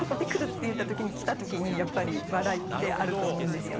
っていった時に来た時にやっぱり笑いってあると思うんですよね。